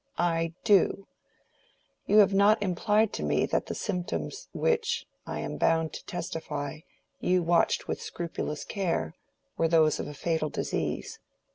"I do. You have not implied to me that the symptoms which—I am bound to testify—you watched with scrupulous care, were those of a fatal disease.